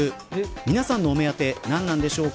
皆さんのお目当ては何なんでしょうか。